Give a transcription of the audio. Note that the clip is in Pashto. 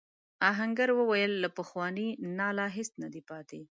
آهنګر وویل له پخواني ناله هیڅ نه دی پاتې.